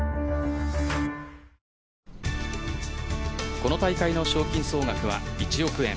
この大会の賞金総額は１億円。